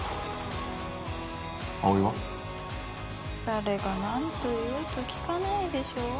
誰がなんと言おうと聞かないでしょ？